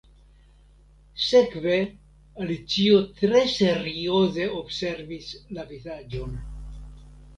Sekve Alicio tre serioze observis la vizaĝon.